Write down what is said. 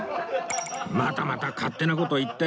またまた勝手な事言って